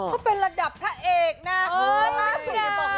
เขาเป็นระดับพระเอกนะ